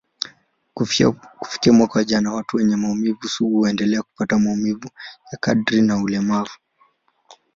Kufikia mwaka mmoja, watu wenye maumivu sugu huendelea kupata maumivu ya kadri na ulemavu.